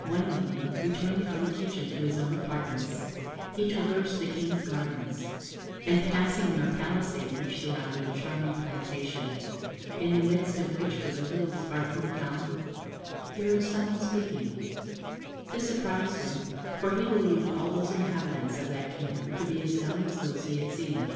One evening, returning from the kitchen to his own apartments, he traversed the King's gardens, and passing near a palisade which surrounded a charming plantation, in the midst of which was a little sparkling fountain, he heard some one speaking; this surprised him, for he believed all the inhabitants of that kingdom to be as dumb as those he had seen.